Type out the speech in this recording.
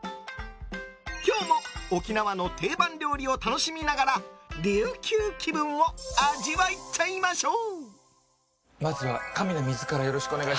今日も沖縄の定番料理を楽しみながら琉球気分を味わっちゃいましょう。